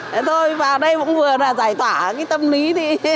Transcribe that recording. thế thôi và đây cũng vừa là giải tỏa cái tâm lý đi